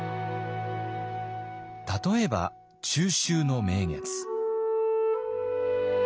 例えば中秋の名月。